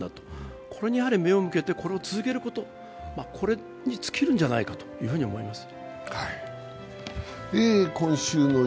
これに目を向けて、これを続けることに尽きるんじゃないかと思います。